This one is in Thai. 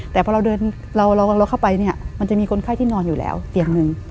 แต่พอเราเดินเราเข้าไปเนี่ยมันจะมีคนไข้ที่นอนอยู่แล้วเตียงหนึ่ง